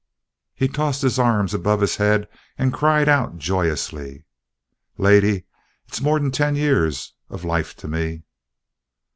He tossed his arms above his head and cried out joyously. "Lady, it's more'n ten years of life to me!"